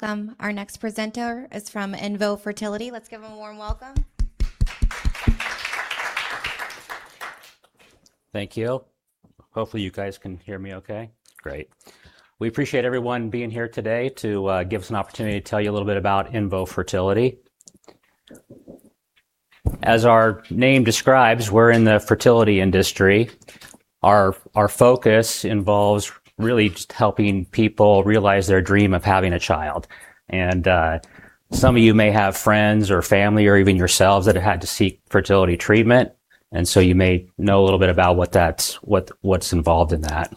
Welcome. Our next presenter is from INVO Fertility. Let's give him a warm welcome. Thank you. Hopefully, you guys can hear me okay. Great. We appreciate everyone being here today to give us an opportunity to tell you a little bit about INVO Fertility. As our name describes, we're in the fertility industry. Our focus involves really just helping people realize their dream of having a child. Some of you may have friends or family, or even yourselves, that have had to seek fertility treatment, you may know a little bit about what's involved in that.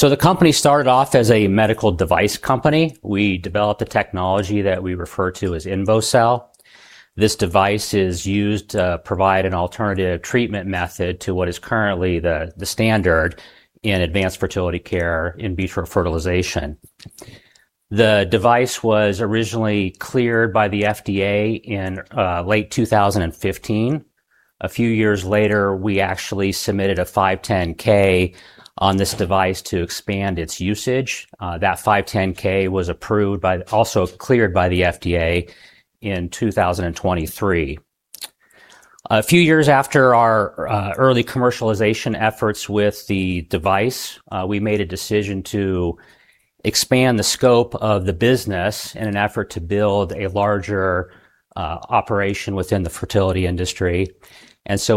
The company started off as a medical device company. We developed a technology that we refer to as INVOcell. This device is used to provide an alternative treatment method to what is currently the standard in advanced fertility care, in vitro fertilization. The device was originally cleared by the FDA in late 2015. A few years later, we actually submitted a 510 on this device to expand its usage. That 510 was also cleared by the FDA in 2023. A few years after our early commercialization efforts with the device, we made a decision to expand the scope of the business in an effort to build a larger operation within the fertility industry,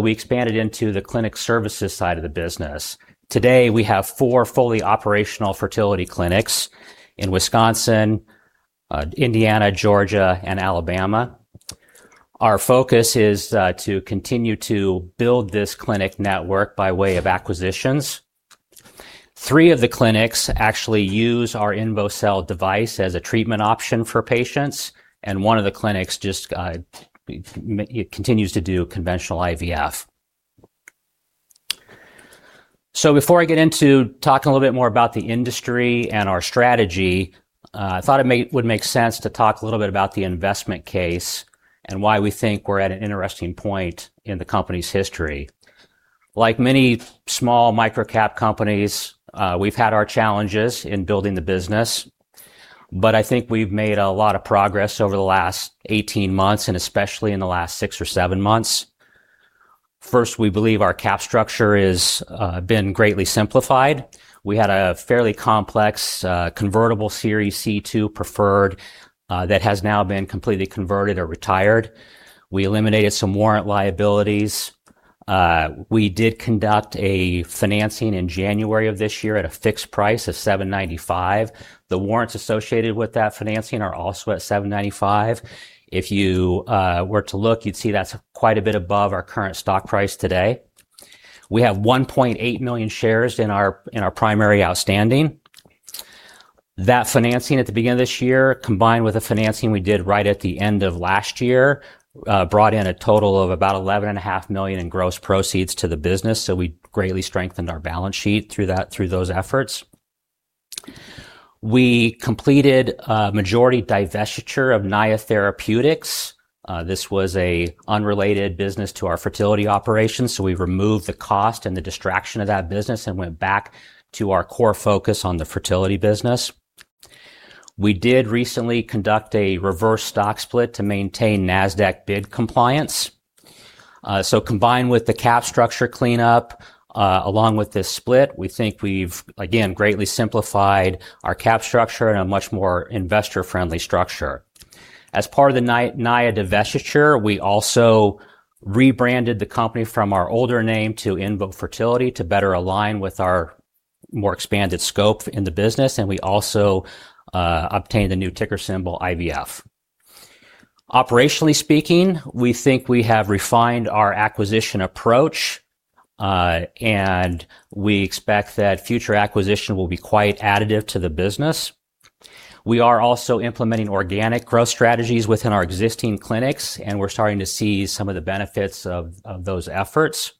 we expanded into the clinic services side of the business. Today, we have four fully operational fertility clinics in Wisconsin, Indiana, Georgia, and Alabama. Our focus is to continue to build this clinic network by way of acquisitions. Three of the clinics actually use our INVOcell device as a treatment option for patients, one of the clinics just continues to do conventional IVF. Before I get into talking a little bit more about the industry and our strategy, I thought it would make sense to talk a little bit about the investment case and why we think we're at an interesting point in the company's history. Like many small microcap companies, we've had our challenges in building the business. I think we've made a lot of progress over the last 18 months, especially in the last six or seven months. First, we believe our cap structure has been greatly simplified. We had a fairly complex convertible Series C-2 preferred that has now been completely converted or retired. We eliminated some warrant liabilities. We did conduct a financing in January of this year at a fixed price of $795. The warrants associated with that financing are also at $795. If you were to look, you'd see that's quite a bit above our current stock price today. We have 1.8 million shares in our primary outstanding. That financing at the beginning of this year, combined with the financing we did right at the end of last year, brought in a total of about $11.5 million in gross proceeds to the business, we greatly strengthened our balance sheet through those efforts. We completed a majority divestiture of NAYA Therapeutics. This was a unrelated business to our fertility operations, we removed the cost and the distraction of that business and went back to our core focus on the fertility business. We did recently conduct a reverse stock split to maintain NASDAQ bid compliance. Combined with the cap structure cleanup, along with this split, we think we've, again, greatly simplified our cap structure and a much more investor-friendly structure. As part of the NAYA Therapeutics divestiture, we also rebranded the company from our older name to INVO Fertility to better align with our more expanded scope in the business. We also obtained the new ticker symbol, IVF. Operationally speaking, we think we have refined our acquisition approach, and we expect that future acquisition will be quite additive to the business. We are also implementing organic growth strategies within our existing clinics, and we're starting to see some of the benefits of those efforts.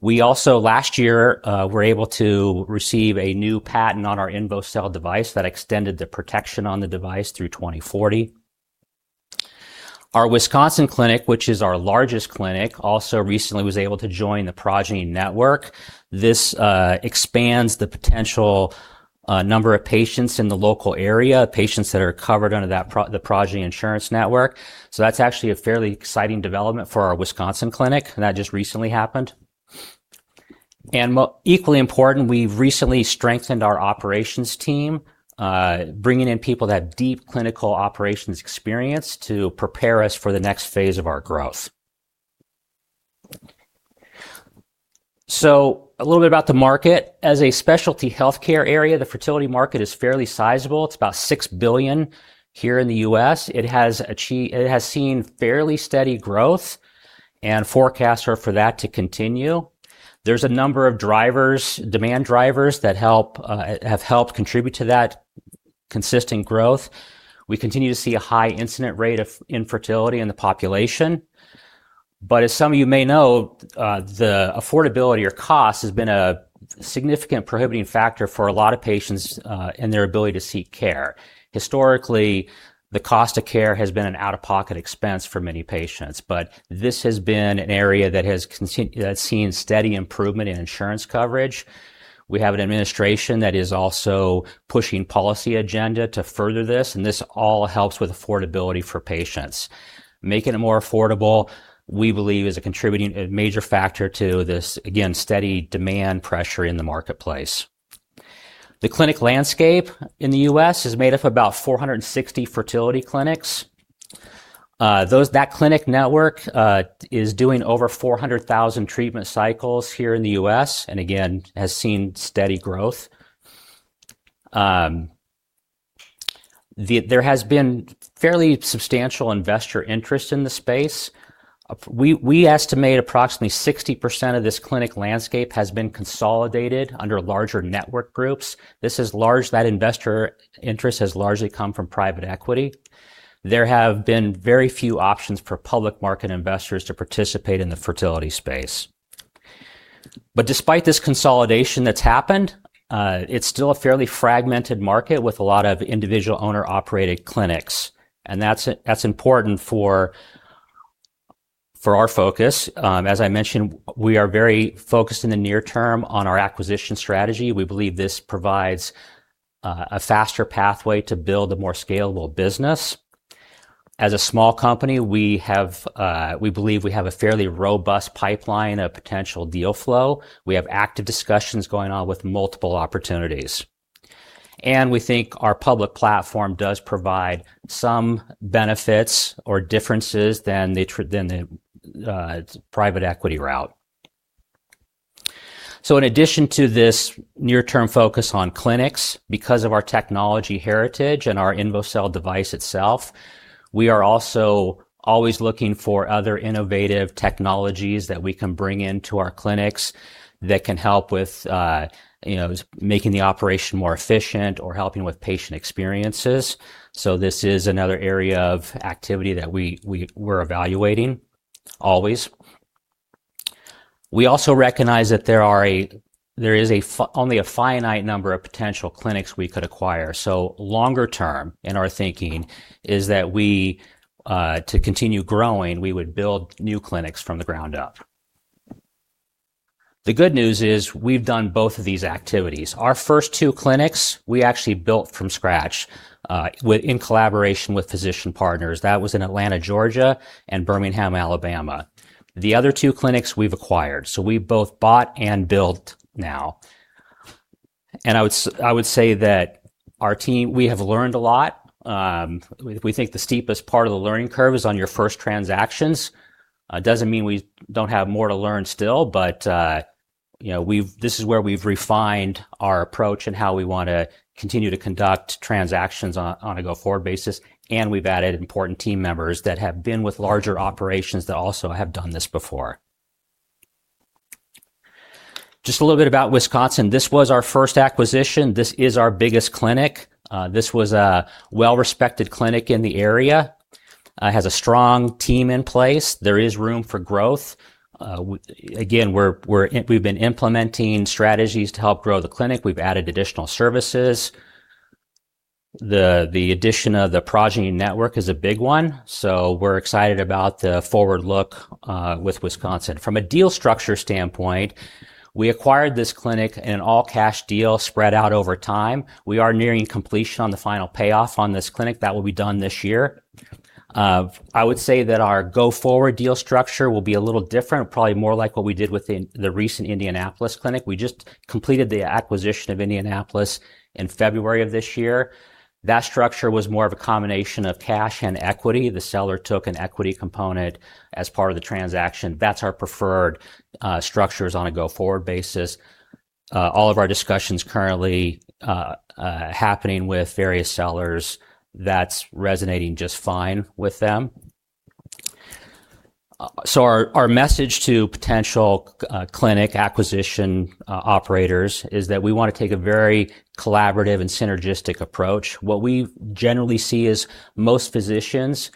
We also, last year, were able to receive a new patent on our INVOcell device that extended the protection on the device through 2040. Our Wisconsin clinic, which is our largest clinic, also recently was able to join the Progyny network. This expands the potential number of patients in the local area, patients that are covered under the Progyny insurance network. That's actually a fairly exciting development for our Wisconsin clinic. That just recently happened. Equally important, we've recently strengthened our operations team, bringing in people that have deep clinical operations experience to prepare us for the next phase of our growth. A little bit about the market. As a specialty healthcare area, the fertility market is fairly sizable. It's about $6 billion here in the U.S. It has seen fairly steady growth, and forecasts are for that to continue. There's a number of demand drivers that have helped contribute to that consistent growth. We continue to see a high incidence rate of infertility in the population. As some of you may know, the affordability or cost has been a significant prohibiting factor for a lot of patients in their ability to seek care. Historically, the cost of care has been an out-of-pocket expense for many patients, but this has been an area that has seen steady improvement in insurance coverage. We have an administration that is also pushing policy agenda to further this, and this all helps with affordability for patients. Making it more affordable, we believe, is a contributing major factor to this, again, steady demand pressure in the marketplace. The clinic landscape in the U.S. is made up of about 460 fertility clinics. That clinic network is doing over 400,000 treatment cycles here in the U.S., and, again, has seen steady growth. There has been fairly substantial investor interest in the space. We estimate approximately 60% of this clinic landscape has been consolidated under larger network groups. That investor interest has largely come from private equity. Despite this consolidation that's happened, it's still a fairly fragmented market with a lot of individual owner-operated clinics, and that's important for our focus. As I mentioned, we are very focused in the near term on our acquisition strategy. We believe this provides a faster pathway to build a more scalable business. As a small company, we believe we have a fairly robust pipeline of potential deal flow. We have active discussions going on with multiple opportunities. We think our public platform does provide some benefits or differences than the private equity route. In addition to this near-term focus on clinics, because of our technology heritage and our INVOcell device itself, we are also always looking for other innovative technologies that we can bring into our clinics that can help with making the operation more efficient or helping with patient experiences. This is another area of activity that we're evaluating always. We also recognize that there is only a finite number of potential clinics we could acquire. Longer term in our thinking is that to continue growing, we would build new clinics from the ground up. The good news is we've done both of these activities. Our first two clinics, we actually built from scratch in collaboration with physician partners. That was in Atlanta, Georgia, and Birmingham, Alabama. The other two clinics we've acquired. We've both bought and built now. I would say that our team, we have learned a lot. We think the steepest part of the learning curve is on your first transactions. Doesn't mean we don't have more to learn still, but this is where we've refined our approach and how we want to continue to conduct transactions on a go-forward basis. We've added important team members that have been with larger operations that also have done this before. Just a little bit about Wisconsin. This was our first acquisition. This is our biggest clinic. This was a well-respected clinic in the area. Has a strong team in place. There is room for growth. Again, we've been implementing strategies to help grow the clinic. We've added additional services. The addition of the Progyny network is a big one. We're excited about the forward look with Wisconsin. From a deal structure standpoint, we acquired this clinic in an all-cash deal spread out over time. We are nearing completion on the final payoff on this clinic. That will be done this year. I would say that our go-forward deal structure will be a little different, probably more like what we did with the recent Indianapolis clinic. We just completed the acquisition of Indianapolis in February of this year. That structure was more of a combination of cash and equity. The seller took an equity component as part of the transaction. That's our preferred structures on a go-forward basis. All of our discussions currently happening with various sellers, that's resonating just fine with them. Our message to potential clinic acquisition operators is that we want to take a very collaborative and synergistic approach. What we generally see is most physicians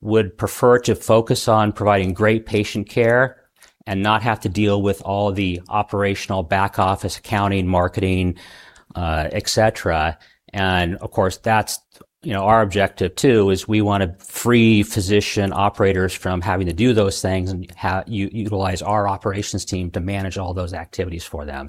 would prefer to focus on providing great patient care and not have to deal with all the operational back-office accounting, marketing, et cetera. Of course, that's our objective, too, is we want to free physician operators from having to do those things and utilize our operations team to manage all those activities for them.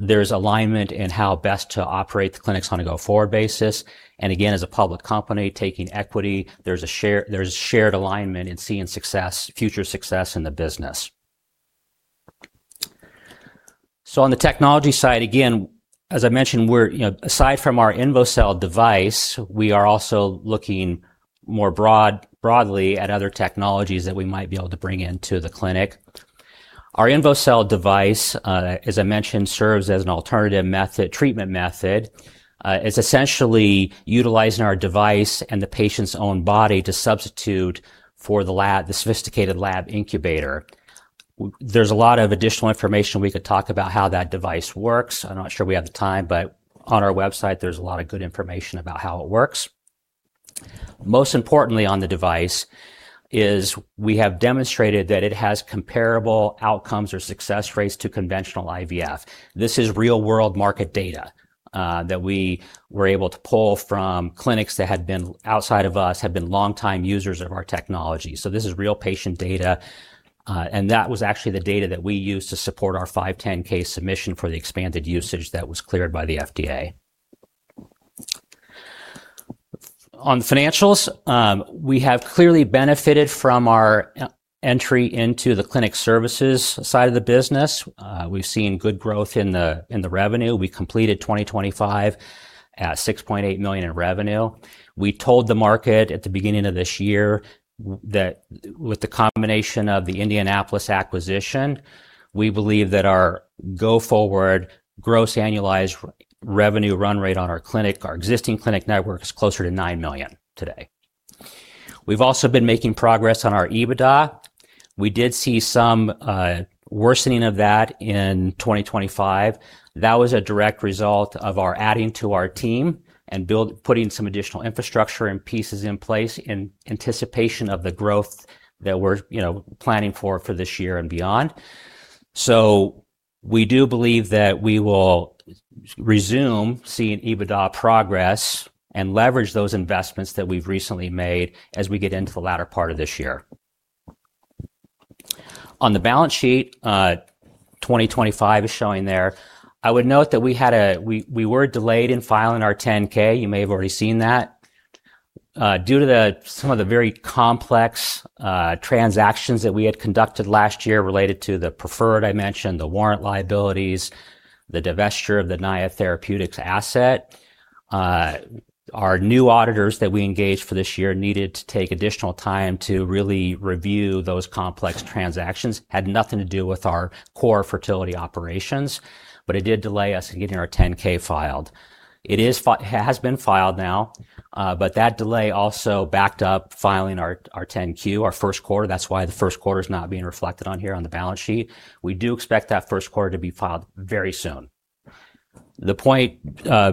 There's alignment in how best to operate the clinics on a go-forward basis. Again, as a public company taking equity, there's shared alignment in seeing future success in the business. On the technology side, again, as I mentioned, aside from our INVOcell device, we are also looking more broadly at other technologies that we might be able to bring into the clinic. Our INVOcell device, as I mentioned, serves as an alternative treatment method. It's essentially utilizing our device and the patient's own body to substitute for the sophisticated lab incubator. There's a lot of additional information we could talk about how that device works. I'm not sure we have the time. On our website, there's a lot of good information about how it works. Most importantly, on the device is we have demonstrated that it has comparable outcomes or success rates to conventional IVF. This is real-world market data that we were able to pull from clinics that had been outside of us, had been longtime users of our technology. This is real patient data, and that was actually the data that we used to support our 510 submission for the expanded usage that was cleared by the FDA. On financials, we have clearly benefited from our entry into the clinic services side of the business. We've seen good growth in the revenue. We completed 2025 at $6.8 million in revenue. We told the market at the beginning of this year that with the combination of the Indianapolis acquisition, we believe that our go-forward gross annualized revenue run rate on our clinic, our existing clinic network, is closer to $9 million today. We've also been making progress on our EBITDA. We did see some worsening of that in 2025. That was a direct result of our adding to our team and putting some additional infrastructure and pieces in place in anticipation of the growth that we're planning for for this year and beyond. We do believe that we will resume seeing EBITDA progress and leverage those investments that we've recently made as we get into the latter part of this year. On the balance sheet, 2025 is showing there. I would note that we were delayed in filing our 10. You may have already seen that. Due to some of the very complex transactions that we had conducted last year related to the preferred I mentioned, the warrant liabilities, the divesture of the NAYA Therapeutics asset, our new auditors that we engaged for this year needed to take additional time to really review those complex transactions. Had nothing to do with our core fertility operations. It did delay us in getting our 10 filed. It has been filed now. That delay also backed up filing our 10, our first quarter. That's why the first quarter's not being reflected on here on the balance sheet. We do expect that first quarter to be filed very soon. The point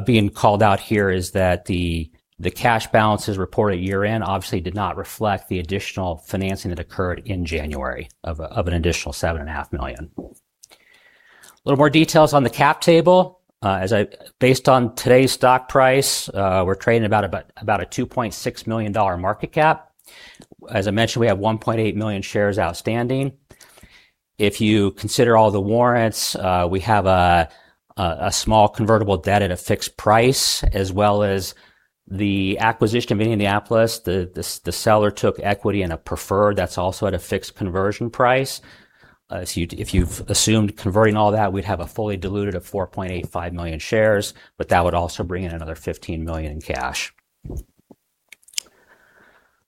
being called out here is that the cash balances reported year-end obviously did not reflect the additional financing that occurred in January of an additional $7.5 Million. A little more details on the cap table. Based on today's stock price, we're trading about a $2.6 million market cap. As I mentioned, we have 1.8 million shares outstanding. If you consider all the warrants, we have a small convertible debt at a fixed price as well as the acquisition of Indianapolis. The seller took equity in a preferred that's also at a fixed conversion price. If you've assumed converting all that, we'd have a fully diluted of 4.85 million shares. That would also bring in another $15 million in cash.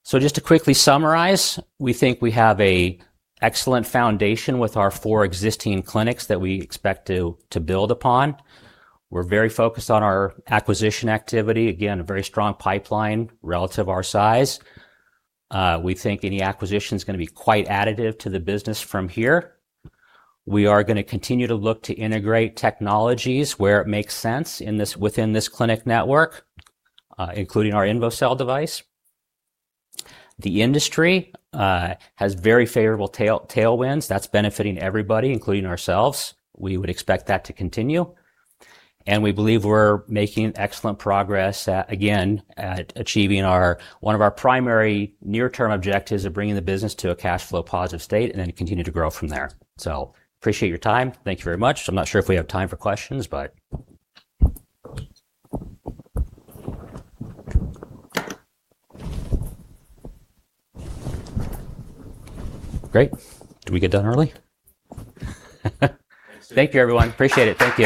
Just to quickly summarize, we think we have an excellent foundation with our four existing clinics that we expect to build upon. We're very focused on our acquisition activity. Again, a very strong pipeline relative our size. We think any acquisition's going to be quite additive to the business from here. We are going to continue to look to integrate technologies where it makes sense within this clinic network, including our INVOcell device. The industry has very favorable tailwinds that's benefiting everybody, including ourselves. We would expect that to continue. We believe we're making excellent progress, again, at achieving one of our primary near-term objectives of bringing the business to a cash flow positive state and then continue to grow from there. Appreciate your time. Thank you very much. I'm not sure if we have time for questions, but Great. Did we get done early? Thanks. Thank you everyone. Appreciate it. Thank you